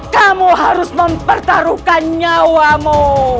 kamu harus mempertaruhkan nyawamu